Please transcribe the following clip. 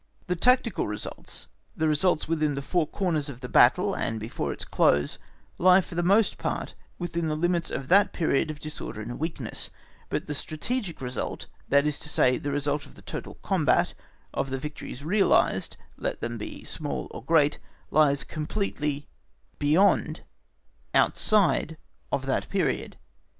The tactical results, the results within the four corners of the battle, and before its close, lie for the most part within the limits of that period of disorder and weakness. But the strategic result, that is to say, the result of the total combat, of the victories realised, let them be small or great, lies completely (beyond) outside of that period.